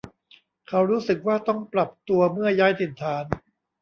เขารู้สึกว่าต้องปรับตัวเมื่อย้ายถิ่นฐาน